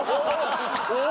お！